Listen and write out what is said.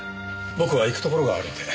僕は行くところがあるので。